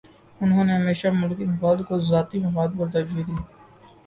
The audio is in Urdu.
انہوں نے ہمیشہ ملکی مفاد کو ذاتی مفاد پر ترجیح دی۔